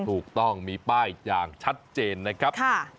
ถูกต้องมีป้ายอย่างชัดเจนนะครับ